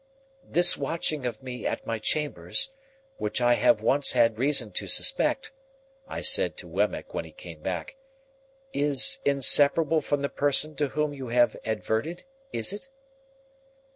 "This watching of me at my chambers (which I have once had reason to suspect)," I said to Wemmick when he came back, "is inseparable from the person to whom you have adverted; is it?"